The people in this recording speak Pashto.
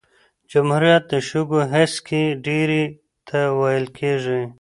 جمهوریت د شګو هسکی ډېرۍ ته ویل کیږي.